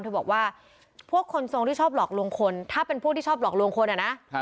เธอบอกว่าพวกคนทรงที่ชอบหลอกลวงคนถ้าเป็นผู้ที่ชอบหลอกลวงคนอ่ะนะ